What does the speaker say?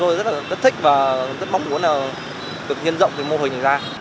tôi rất là thích và rất mong muốn được nhân rộng mô hình này ra